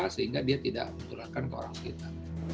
sehingga dia tidak menularkan ke orang kita